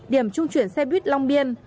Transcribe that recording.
điểm trung chuyển xe buýt long biên